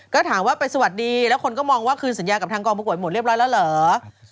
ก็ถามว่าไปสวัสดีแล้วคนก็มองว่าคืนสัญญากับทางกองประกวดหมดเรียบร้อยแล้วเหรอ